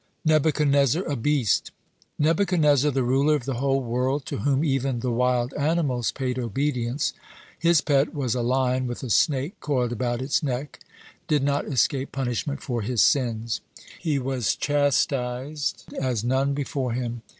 (95) NEBUCHADNEZZAR A BEAST Nebuchadnezzar, the ruler of the whole world, (96) to whom even the wild animals paid obedience, his pet was a lion with a snake coiled about its neck, (97) did not escape punishment for his sins. He was chastised as none before him.